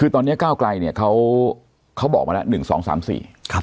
ตอนนี้ก้าวไกลเขาบอกมา๑๒๓๔